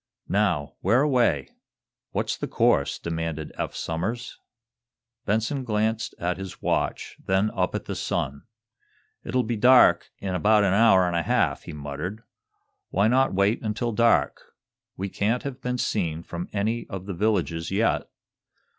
"Now, whereaway? What's the course?" demanded Eph Somers. Benson glanced at his watch, then up at the sun. "It'll be dark in about an hour and half," he muttered. "Why not wait until dark? We can't have been seen from any of the villages yet.